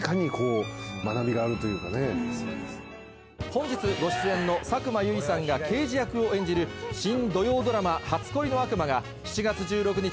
本日ご出演の佐久間由衣さんが刑事役を演じる新土曜ドラマ『初恋の悪魔』が７月１６日